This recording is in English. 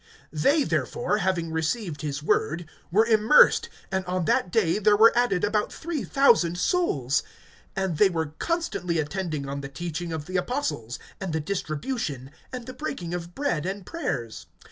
(41)They therefore, having received[2:41] his word, were immersed and on that day there were added about three thousand souls. (42)And they were constantly attending on the teaching of the apostles, and the distribution, and the breaking of bread, and prayers.